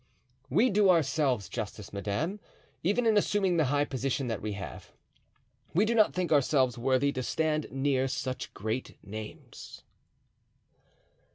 "We do ourselves justice, madame, even in assuming the high position that we have. We do not think ourselves worthy to stand near such great names."